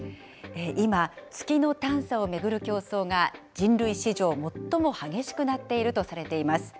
今、月の探査を巡る競争が、人類史上最も激しくなっているとされています。